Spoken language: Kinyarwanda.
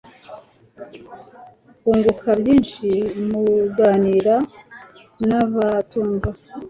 wunguka byinshi muganira nabatumva